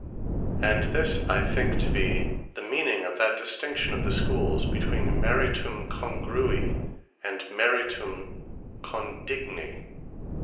And this I think to be the meaning of that distinction of the Schooles, between Meritum Congrui, and Meritum Condigni.